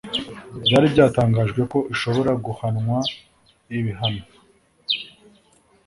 byari byatangajwe ko ishobora guhanwa ibihano